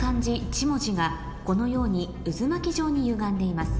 １文字がこのように渦巻状にゆがんでいます